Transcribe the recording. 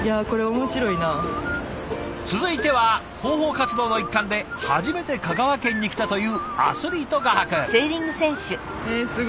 続いては広報活動の一環で初めて香川県に来たというアスリート画伯。